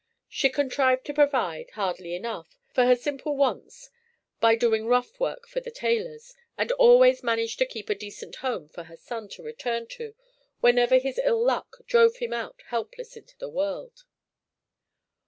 She contrived to provide, hardly enough, for her simple wants by doing rough work for the tailors, and always managed to keep a decent home for her son to return to whenever his ill luck drove him out helpless into the world.